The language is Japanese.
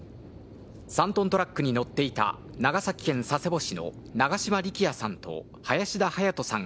３トントラックに乗っていた長崎県佐世保市の長島力也さんと林田隼斗さん